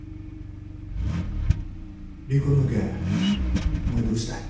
離婚の件お前どうしたい？